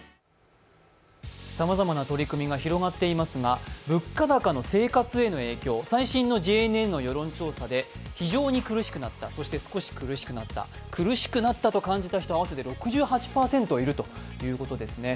さまざまな取り組みが広がっていますが物価高の生活への影響、最新のＪＮＮの世論調査で非常に苦しくなった、そして少し苦しくなった、苦しくなったと感じる人は合わせて６８％いるということです。